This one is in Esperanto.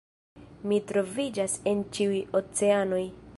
"Mi troviĝas en ĉiuj oceanoj!"